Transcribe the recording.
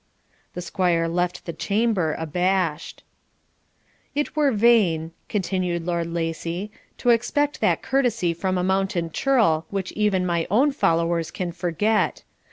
The squire left the chamber abashed. 'It were vain,' continued Lord Lacy, 'to expect that courtesy from a mountain churl which even my own followers can forget.